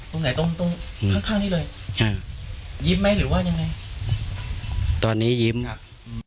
ตรงไหนตรงตรงข้างข้างนี้เลยใช่ยิ้มไหมหรือว่ายังไงตอนนี้ยิ้มครับ